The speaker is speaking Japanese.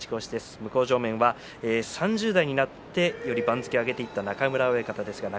向正面は３０代になってより番付を上げていった中村親方です。